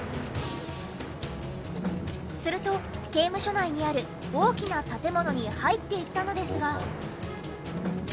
すると刑務所内にある大きな建物に入っていったのですが。